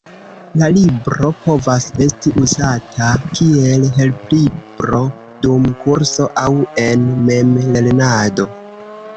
La libro povas esti uzata kiel helplibro dum kurso, aŭ en memlernado.